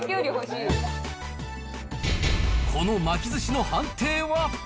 この巻きずしの判定は。